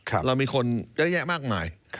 เรามีคนเยอะแยะมากมาย